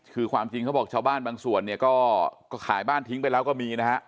คือความจริงเขาบอกชาวบ้านบางส่วนเนี่ยก็ขายบ้านทิ้งไปแล้วก็มีนะฮะ